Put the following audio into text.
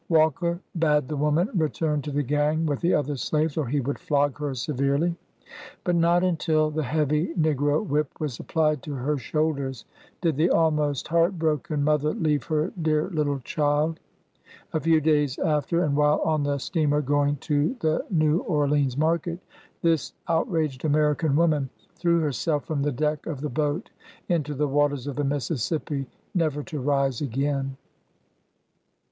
Walker bade the woman return to the gang with the other slaves, or he would flog her severely. But not until the heavy negro whip was applied to her shoulders did the almost heart broken mother leave her dear little child. A few days after, and while on the steamer going to the Xew Orleans market, this outraged American woman threw herself from the deck of the boat into the waters of the Mis sissippi, never to rise again.